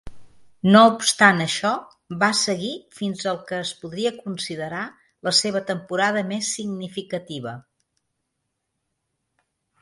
No obstant això, va seguir fins al que es podria considerar la seva temporada més significativa.